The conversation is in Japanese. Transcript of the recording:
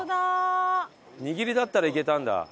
握りだったらいけたんだ。